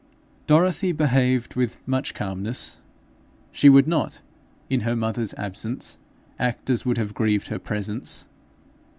Dorothy behaved with much calmness. She would not, in her mother's absence, act so as would have grieved her presence.